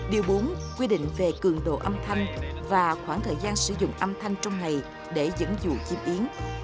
điều bốn quy định về cường độ âm thanh và khoảng thời gian sử dụng âm thanh trong ngày để dẫn dụ chim yến